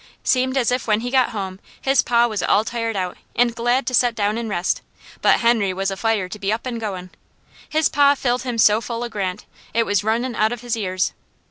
Seemed as if when he got home, his pa was all tired out and glad to set down an' rest, but Henry was afire to be up an' goin'. His pa filled him so full o' Grant, it was runnin' out of his ears.